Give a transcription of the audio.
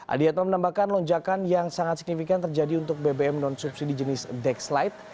adiat memenambahkan lonjakan yang sangat signifikan terjadi untuk bbm non subsidi jenis dexlite